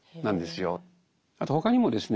あと他にもですね